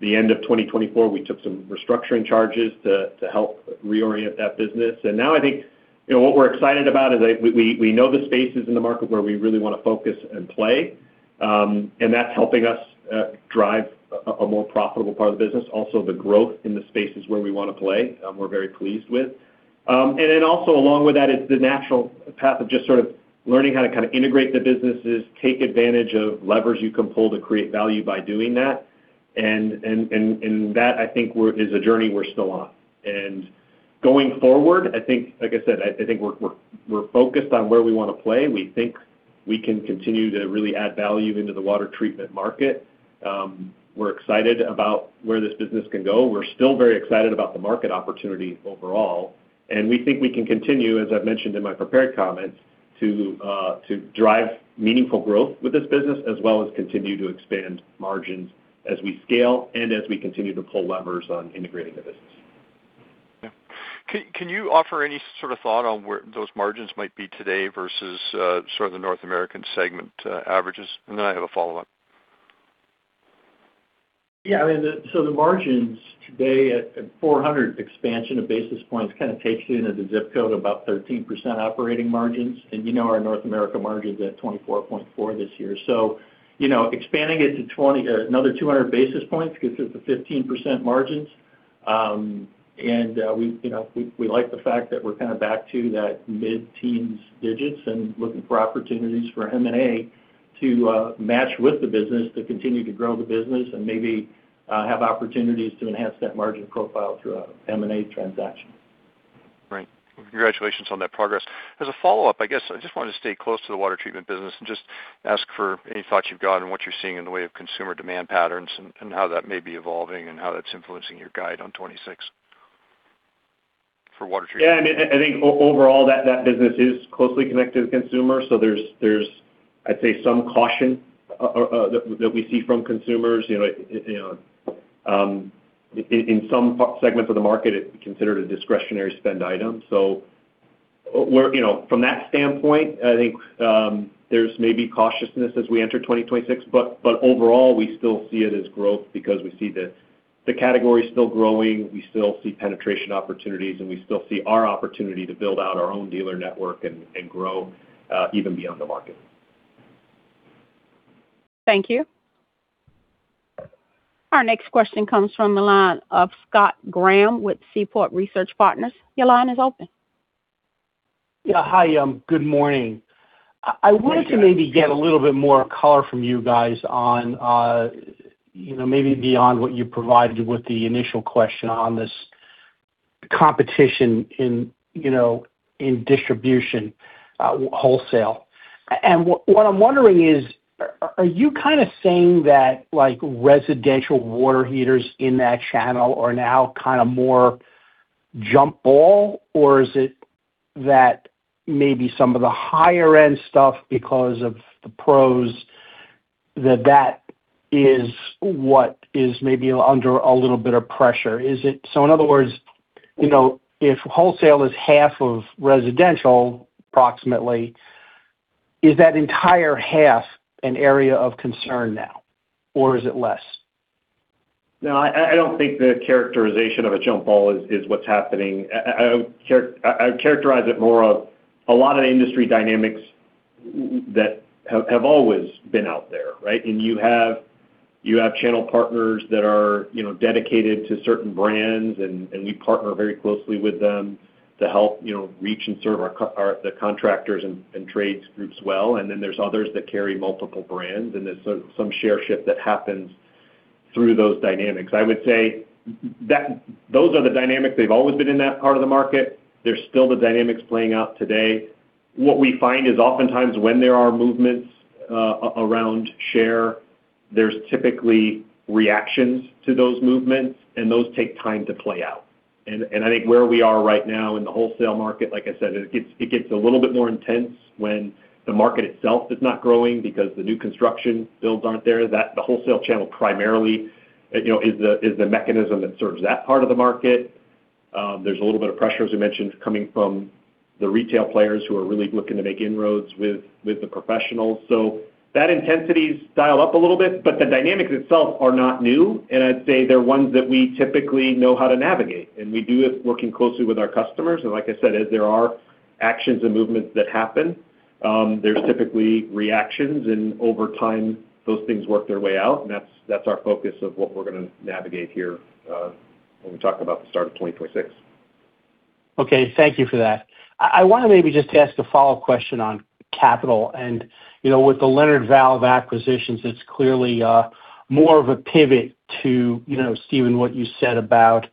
The end of 2024, we took some restructuring charges to help reorient that business. Now I think what we're excited about is we know the spaces in the market where we really want to focus and play. That's helping us drive a more profitable part of the business. Also, the growth in the spaces where we want to play, we're very pleased with. Then also along with that, it's the natural path of just sort of learning how to kind of integrate the businesses, take advantage of levers you can pull to create value by doing that. That, I think, is a journey we're still on. Going forward, I think, like I said, I think we're focused on where we want to play. We think we can continue to really add value into the water treatment market. We're excited about where this business can go. We're still very excited about the market opportunity overall. We think we can continue, as I've mentioned in my prepared comments, to drive meaningful growth with this business as well as continue to expand margins as we scale and as we continue to pull levers on integrating the business. Yeah. Can you offer any sort of thought on where those margins might be today versus sort of the North American segment averages? Then I have a follow-up. Yeah. I mean, so the margins today at 400 basis points expansion kind of takes you into the zip code of about 13% operating margins. And you know our North America margins at 24.4% this year. So expanding it to another 200 basis points gives us a 15% margins. And we like the fact that we're kind of back to that mid-teens digits and looking for opportunities for M&A to match with the business to continue to grow the business and maybe have opportunities to enhance that margin profile through an M&A transaction. Right. Well, congratulations on that progress. As a follow-up, I guess I just wanted to stay close to the water treatment business and just ask for any thoughts you've got on what you're seeing in the way of consumer demand patterns and how that may be evolving and how that's influencing your guide on 2026 for water? Yeah. I mean, I think overall, that business is closely connected to consumers. So there's, I'd say, some caution that we see from consumers. In some segments of the market, it's considered a discretionary spend item. So from that standpoint, I think there's maybe cautiousness as we enter 2026. But overall, we still see it as growth because we see the category still growing. We still see penetration opportunities, and we still see our opportunity to build out our own dealer network and grow even beyond the market. Thank you. Our next question comes from the line of Scott Graham with Seaport Research Partners. Your line is open. Yeah. Hi. Good morning. I wanted to maybe get a little bit more color from you guys on maybe beyond what you provided with the initial question on this competition in distribution wholesale. And what I'm wondering is, are you kind of saying that residential water heaters in that channel are now kind of more jump ball, or is it that maybe some of the higher-end stuff because of the pros, that that is what is maybe under a little bit of pressure? So in other words, if wholesale is half of residential approximately, is that entire half an area of concern now, or is it less? No. I don't think the characterization of a jump ball is what's happening. I would characterize it more of a lot of industry dynamics that have always been out there, right? You have channel partners that are dedicated to certain brands, and we partner very closely with them to help reach and serve the contractors and trades groups well. Then there's others that carry multiple brands, and there's some share shift that happens through those dynamics. I would say those are the dynamics. They've always been in that part of the market. There's still the dynamics playing out today. What we find is oftentimes when there are movements around share, there's typically reactions to those movements, and those take time to play out. And I think where we are right now in the wholesale market, like I said, it gets a little bit more intense when the market itself is not growing because the new construction builds aren't there. The wholesale channel primarily is the mechanism that serves that part of the market. There's a little bit of pressure, as I mentioned, coming from the retail players who are really looking to make inroads with the professionals. So that intensity's dialed up a little bit, but the dynamics itself are not new. And I'd say they're ones that we typically know how to navigate. And we do it working closely with our customers. And like I said, as there are actions and movements that happen, there's typically reactions. And over time, those things work their way out. That's our focus of what we're going to navigate here when we talk about the start of 2026. Okay. Thank you for that. I want to maybe just ask a follow-up question on capital. And with the Leonard Valve acquisitions, it's clearly more of a pivot to, Stephen, what you said about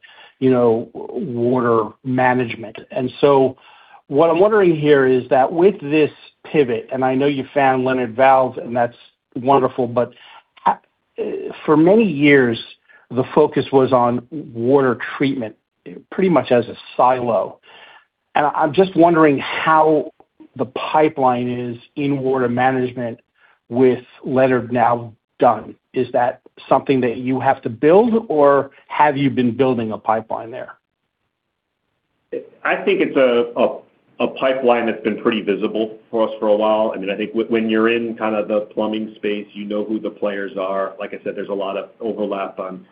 water management. And so what I'm wondering here is that with this pivot, and I know you found Leonard Valve, and that's wonderful, but for many years, the focus was on water treatment pretty much as a silo. And I'm just wondering how the pipeline is in water management with Leonard now done. Is that something that you have to build, or have you been building a pipeline there? I think it's a pipeline that's been pretty visible for us for a while. I mean, I think when you're in kind of the plumbing space, you know who the players are. Like I said, there's a lot of overlap on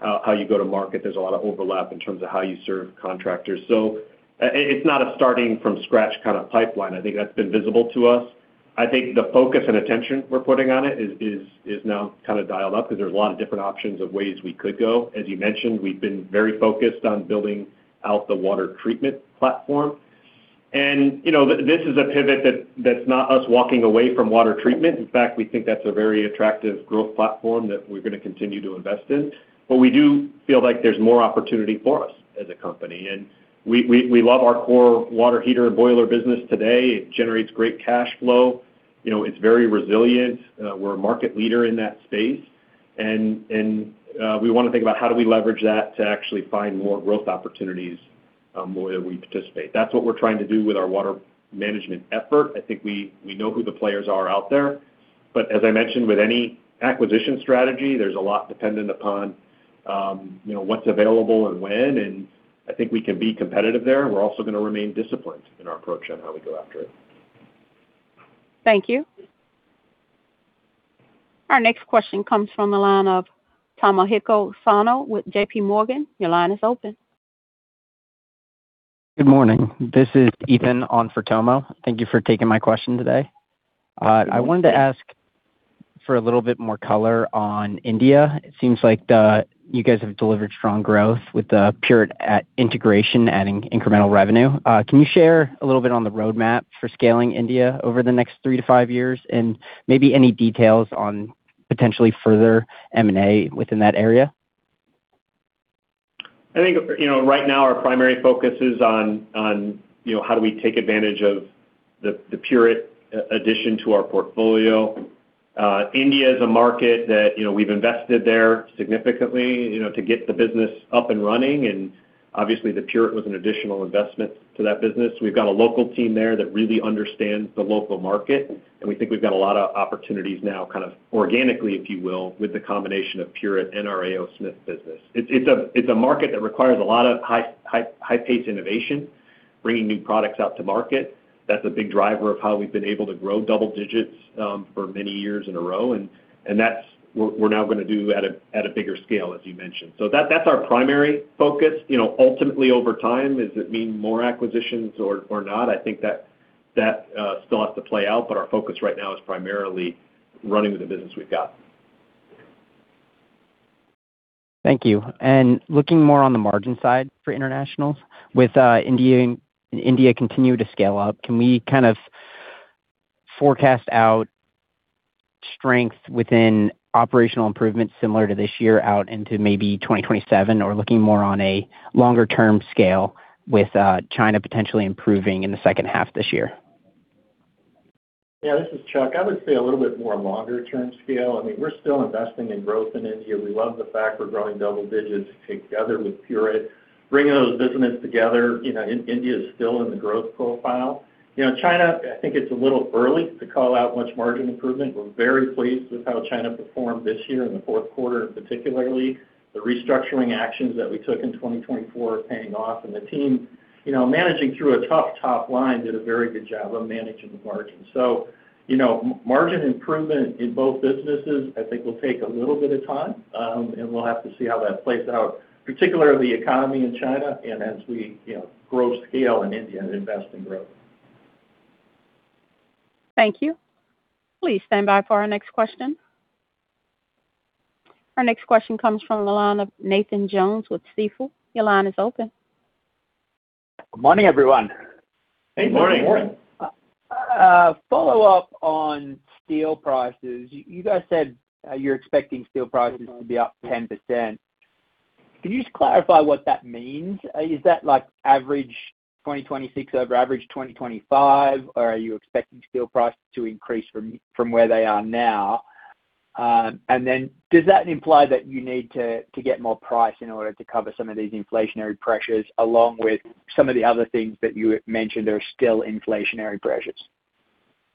how you go to market. There's a lot of overlap in terms of how you serve contractors. So it's not a starting-from-scratch kind of pipeline. I think that's been visible to us. I think the focus and attention we're putting on it is now kind of dialed up because there's a lot of different options of ways we could go. As you mentioned, we've been very focused on building out the water treatment platform. And this is a pivot that's not us walking away from water treatment. In fact, we think that's a very attractive growth platform that we're going to continue to invest in. But we do feel like there's more opportunity for us as a company. And we love our core water heater and boiler business today. It generates great cash flow. It's very resilient. We're a market leader in that space. And we want to think about how do we leverage that to actually find more growth opportunities where we participate. That's what we're trying to do with our water management effort. I think we know who the players are out there. But as I mentioned, with any acquisition strategy, there's a lot dependent upon what's available and when. And I think we can be competitive there. We're also going to remain disciplined in our approach on how we go after it. Thank you. Our next question comes from the line of Tami Zakaria with JP Morgan. Your line is open. Good morning. This is Ethan on the phone. Thank you for taking my question today. I wanted to ask for a little bit more color on India. It seems like you guys have delivered strong growth with the Pureit integration adding incremental revenue. Can you share a little bit on the roadmap for scaling India over the next three to five years and maybe any details on potentially further M&A within that area? I think right now, our primary focus is on how do we take advantage of the Pureit addition to our portfolio. India is a market that we've invested there significantly to get the business up and running. Obviously, the Pureit was an additional investment to that business. We've got a local team there that really understands the local market. We think we've got a lot of opportunities now kind of organically, if you will, with the combination of Pureit and our A. O. Smith business. It's a market that requires a lot of high-paced innovation, bringing new products out to market. That's a big driver of how we've been able to grow double digits for many years in a row. That's what we're now going to do at a bigger scale, as you mentioned. That's our primary focus. Ultimately, over time, does it mean more acquisitions or not? I think that still has to play out. But our focus right now is primarily running the business we've got. Thank you. And looking more on the margin side for internationals, with India continuing to scale up, can we kind of forecast out strength within operational improvements similar to this year out into maybe 2027 or looking more on a longer-term scale with China potentially improving in the second half of this year? Yeah. This is Chuck. I would say a little bit more longer-term scale. I mean, we're still investing in growth in India. We love the fact we're growing double digits together with Pureit, bringing those businesses together. India is still in the growth profile. China, I think it's a little early to call out much margin improvement. We're very pleased with how China performed this year in the fourth quarter, particularly. The restructuring actions that we took in 2024 are paying off. And the team managing through a tough top line did a very good job of managing the margin. So margin improvement in both businesses, I think, will take a little bit of time. And we'll have to see how that plays out, particularly the economy in China and as we grow scale in India and invest in growth. Thank you. Please stand by for our next question. Our next question comes from the line of Nathan Jones with Stifel. Your line is open. Morning, everyone. Hey. Morning. Morning. Follow-up on steel prices. You guys said you're expecting steel prices to be up 10%. Can you just clarify what that means? Is that like average 2026 over average 2025, or are you expecting steel prices to increase from where they are now? And then does that imply that you need to get more price in order to cover some of these inflationary pressures along with some of the other things that you mentioned are still inflationary pressures?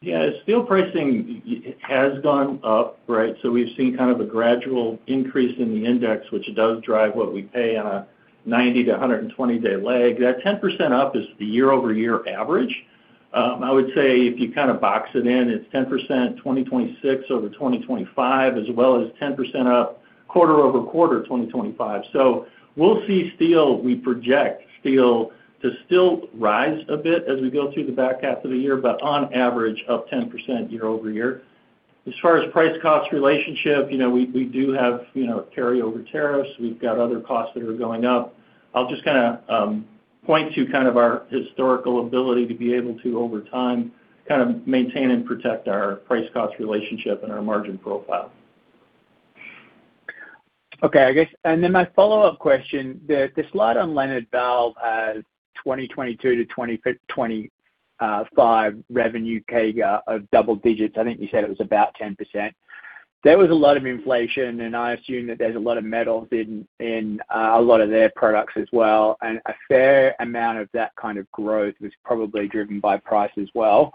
Yeah. Steel pricing has gone up, right? So we've seen kind of a gradual increase in the index, which does drive what we pay on a 90-120-day leg. That 10% up is the year-over-year average. I would say if you kind of box it in, it's 10% 2026 over 2025 as well as 10% up quarter-over-quarter 2025. So we'll see steel. We project steel to still rise a bit as we go through the back half of the year, but on average, up 10% year-over-year. As far as price-cost relationship, we do have carryover tariffs. We've got other costs that are going up. I'll just kind of point to kind of our historical ability to be able to, over time, kind of maintain and protect our price-cost relationship and our margin profile. Okay. And then my follow-up question, the slide on Leonard Valve has 2022 to 2025 revenue CAGR of double digits. I think you said it was about 10%. There was a lot of inflation, and I assume that there's a lot of metal in a lot of their products as well. And a fair amount of that kind of growth was probably driven by price as well.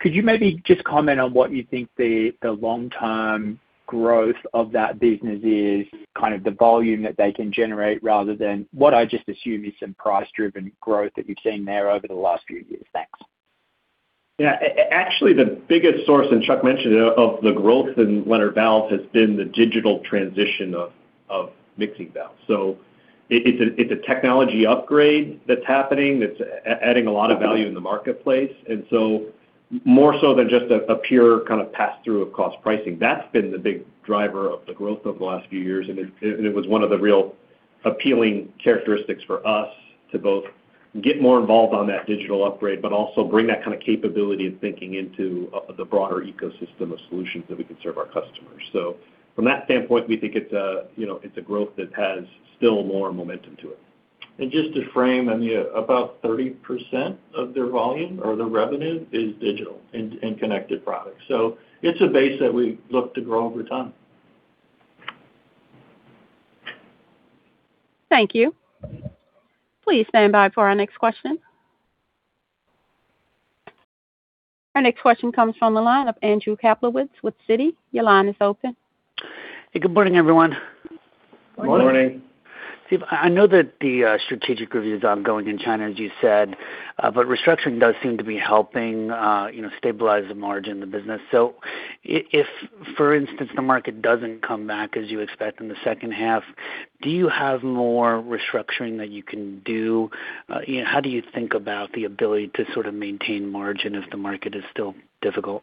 Could you maybe just comment on what you think the long-term growth of that business is, kind of the volume that they can generate rather than what I just assume is some price-driven growth that you've seen there over the last few years? Thanks. Yeah. Actually, the biggest source, and Chuck mentioned it, of the growth in Leonard Valve has been the digital transition of mixing valves. So it's a technology upgrade that's happening that's adding a lot of value in the marketplace. And so more so than just a pure kind of pass-through of cost pricing, that's been the big driver of the growth over the last few years. And it was one of the real appealing characteristics for us to both get more involved on that digital upgrade, but also bring that kind of capability and thinking into the broader ecosystem of solutions that we can serve our customers. So from that standpoint, we think it's a growth that has still more momentum to it. And just to frame, I mean, about 30% of their volume or their revenue is digital and connected products. It's a base that we've looked to grow over time. Thank you. Please stand by for our next question. Our next question comes from the line of Andrew Kaplowitz with Citi. Your line is open. Hey. Good morning, everyone. Good morning. Good morning. I know that the strategic review is ongoing in China, as you said, but restructuring does seem to be helping stabilize the margin, the business. So if, for instance, the market doesn't come back as you expect in the second half, do you have more restructuring that you can do? How do you think about the ability to sort of maintain margin if the market is still difficult?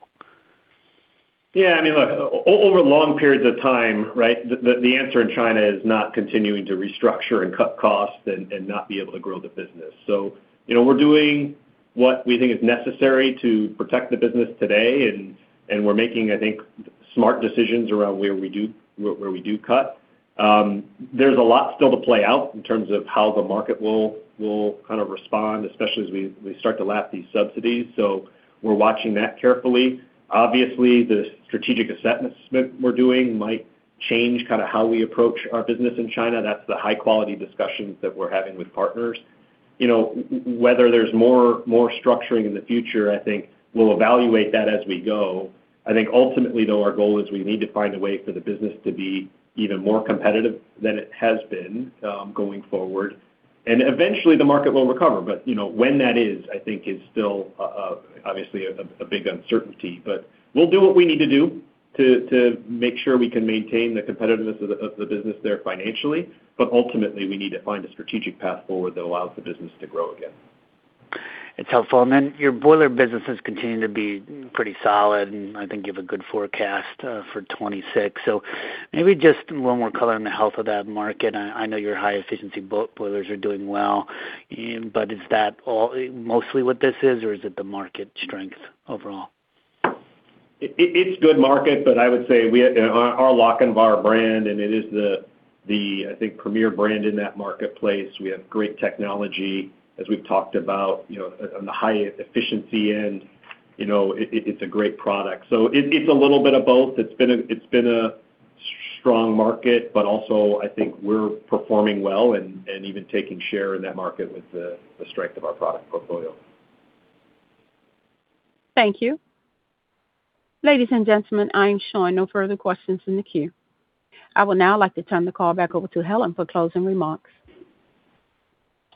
Yeah. I mean, look, over long periods of time, right, the answer in China is not continuing to restructure and cut costs and not be able to grow the business. So we're doing what we think is necessary to protect the business today. And we're making, I think, smart decisions around where we do cut. There's a lot still to play out in terms of how the market will kind of respond, especially as we start to lap these subsidies. So we're watching that carefully. Obviously, the strategic assessment we're doing might change kind of how we approach our business in China. That's the high-quality discussions that we're having with partners. Whether there's more structuring in the future, I think we'll evaluate that as we go. I think ultimately, though, our goal is we need to find a way for the business to be even more competitive than it has been going forward. Eventually, the market will recover. When that is, I think, is still obviously a big uncertainty. We'll do what we need to do to make sure we can maintain the competitiveness of the business there financially. Ultimately, we need to find a strategic path forward that allows the business to grow again. It's helpful. And then your boiler business has continued to be pretty solid. And I think you have a good forecast for 2026. So maybe just one more color on the health of that market. I know your high-efficiency boilers are doing well. But is that mostly what this is, or is it the market strength overall? It's good market. But I would say our Lochinvar brand, and it is the, I think, premier brand in that marketplace. We have great technology, as we've talked about, on the high-efficiency end. It's a great product. So it's a little bit of both. It's been a strong market, but also, I think we're performing well and even taking share in that market with the strength of our product portfolio. Thank you. Ladies and gentlemen, I am showing no further questions in the queue. I would now like to turn the call back over to Helen for closing remarks.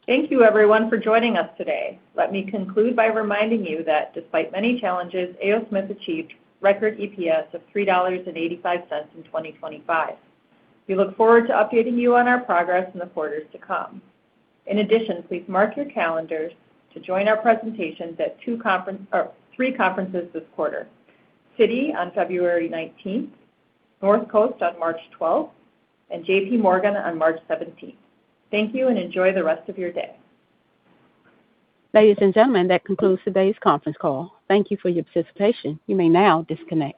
Thank you, everyone, for joining us today. Let me conclude by reminding you that despite many challenges, A. O. Smith achieved record EPS of $3.85 in 2025. We look forward to updating you on our progress in the quarters to come. In addition, please mark your calendars to join our presentations at three conferences this quarter: Citi on February 19th, Northcoast on March 12th, and JP Morgan on March 17th. Thank you and enjoy the rest of your day. Ladies and gentlemen, that concludes today's conference call. Thank you for your participation. You may now disconnect.